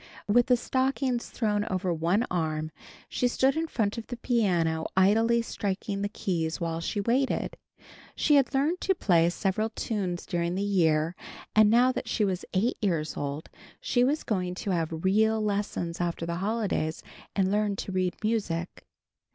With the stockings thrown over one arm she stood in front of the piano, idly striking the keys while she waited. She had learned to play several tunes during the year, and now that she was eight years old, she was going to have real lessons after the holidays and learn to read music.